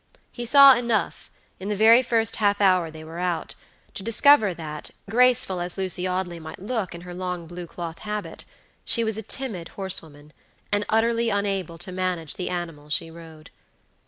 He saw enough, in the very first half hour they were out, to discover that, graceful as Lucy Audley might look in her long blue cloth habit, she was a timid horsewoman, and utterly unable to manage the animal she rode.